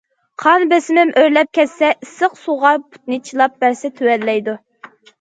قان بېسىم ئۆرلەپ كەتسە، ئىسسىق سۇغا پۇتنى چىلاپ بەرسە، تۆۋەنلەيدۇ.